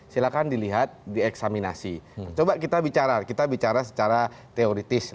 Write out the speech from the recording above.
silahkan dilihat dieksaminasi coba kita bicara kita bicara secara teoritis